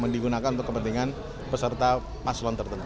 digunakan untuk kepentingan peserta paslon tertentu